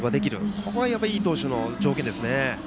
ここがいい投手の条件ですね。